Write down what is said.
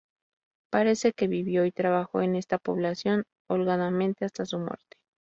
Parece que vivió y trabajó en esta población holgadamente hasta su muerte.